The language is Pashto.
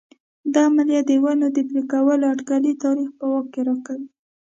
دا عملیه د ونې د پرې کولو اټکلي تاریخ په واک کې راکوي